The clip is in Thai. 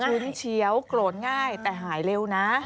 ุนเฉียวโกรธง่ายแต่หายเร็วนะ